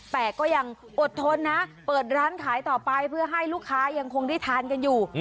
แต่ก็ยังอดทนนะเปิดร้านขายต่อไปเพื่อให้ลูกค้ายังคงได้ทานกันอยู่